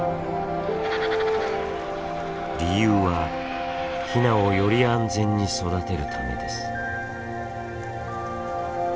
理由はヒナをより安全に育てるためです。